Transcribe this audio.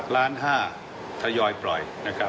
ล้านห้าทยอยปล่อย